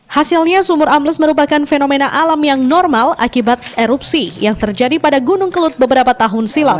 hasilnya sumur ambles merupakan fenomena alam yang normal akibat erupsi yang terjadi pada gunung kelut beberapa tahun silam